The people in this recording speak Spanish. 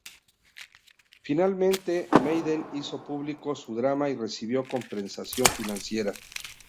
Finalmente, Madden hizo público su drama y recibió compensación financiera.